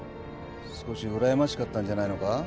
少しうらやましかったんじゃないのか？